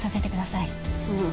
うん。